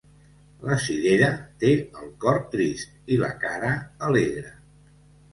La cirera té el cor trist i la cara alegre.